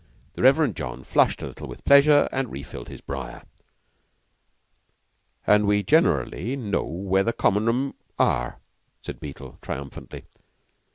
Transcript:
The Reverend John flushed a little with pleasure and refilled his briar. "And we generally know where the Common room are," said Beetle triumphantly.